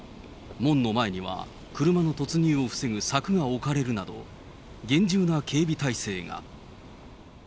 門の前には、車の突入を防ぐ柵が置かれるなど、厳重な警備態勢が。